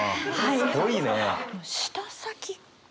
すごいね。